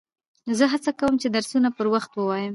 زه هڅه کوم، چي درسونه پر وخت ووایم.